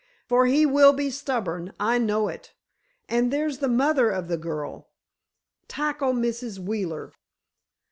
For he will be stubborn—I know it! And there's the mother of the girl ... tackle Mrs. Wheeler.